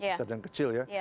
besar dan kecil ya